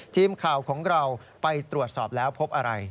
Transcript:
ทีมข่าวของเราไปตรวจสอบแล้วพบอะไร